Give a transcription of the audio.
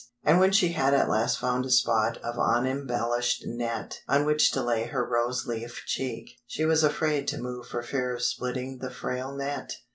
And when she had at last found a spot of unembellished net on which to lay her rose leaf cheek, she was afraid to move for fear of splitting the frail net.